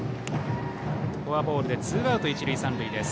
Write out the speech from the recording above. フォアボールでツーアウト、一塁三塁です。